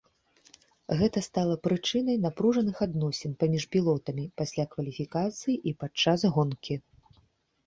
Гэта стала прычынай напружаных адносін паміж пілотамі пасля кваліфікацыі і падчас гонкі.